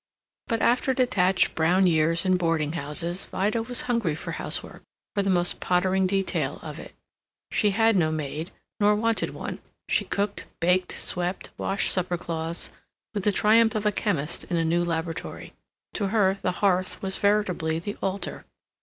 But after detached brown years in boarding houses, Vida was hungry for housework, for the most pottering detail of it. She had no maid, nor wanted one. She cooked, baked, swept, washed supper cloths, with the triumph of a chemist in a new laboratory. To her the hearth was veritably the altar.